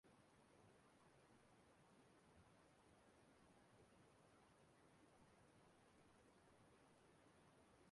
Ọ natakwara nzere masta na mahadum Pan-Atlantic, na-amụ mgbasa ozi na nkwukọrịta.